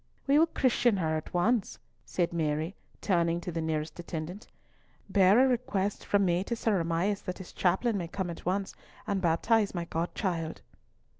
"We will christen her at once," said Mary, turning to the nearest attendant. "Bear a request from me to Sir Amias that his chaplain may come at once and baptize my god child."